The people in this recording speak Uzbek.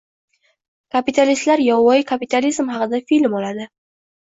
Kapitalistlar yovvoyi kapitalizm haqida film oladi.